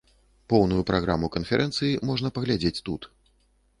Поўную праграму канферэнцыі можна паглядзець тут.